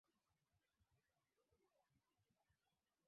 Magreth alimuuliza Jacob kama alionana na familia ya mzee Ruhala